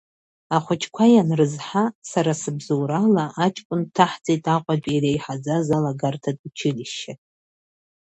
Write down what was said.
Ахәыҷқәа ианрызҳа, сара сыбзоурала аҷкәын дҭаҳҵеит Аҟәатәи иреиҳаӡаз алагарҭатә училишьче.